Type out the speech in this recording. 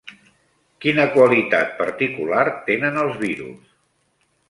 Quina qualitat particular tenen els virus?